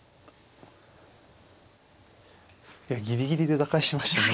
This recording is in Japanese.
いやギリギリで打開しましたね。